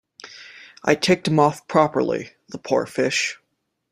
I ticked him off properly, the poor fish.